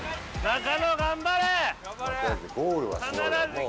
中野頑張れ！